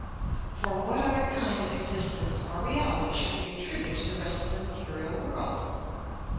For what other kind of existence or reality should we attribute to the rest of the material world?